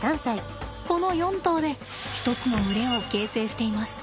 この４頭で一つの群れを形成しています。